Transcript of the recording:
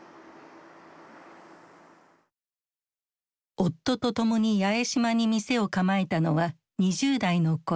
夫と共に八重島に店を構えたのは２０代の頃。